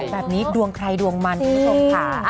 แบบนี้ดวงใครดวงมันคุณผู้ชมค่ะ